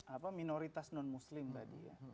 apa minoritas non muslim tadi ya